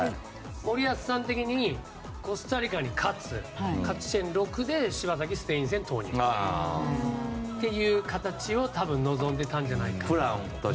森保さん的に、コスタリカに勝つ勝ち点６で柴崎をスペイン戦投入っていう形を多分、望んでいたんじゃないかなと。